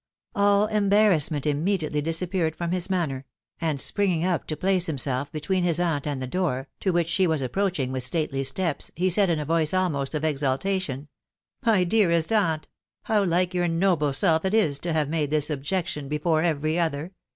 All embarrassment immediately disappeared from his manner; and springing up to place himself between his aunt and the door, to which 'she was approaching with stately steps, he said, in a voice almost of exultation, " My dearest aunt !.... How like your noble self it is to have made this objection before every other